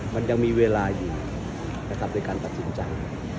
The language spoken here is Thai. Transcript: มันยังมีเวลาอยู่นะครับในการตัดสินใจ